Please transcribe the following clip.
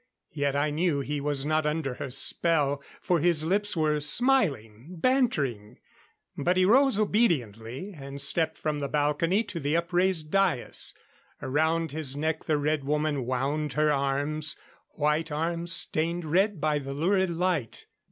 Yet I knew he was not under her spell, for his lips were smiling, bantering. But he rose obediently, and stepped from the balcony to the upraised dais. Around his neck the Red Woman wound her arms white arms stained red by the lurid light.